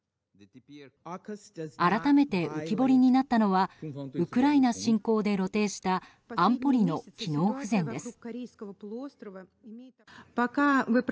改めて浮き彫りになったのはウクライナ侵攻で露呈した安保理の機能不全です。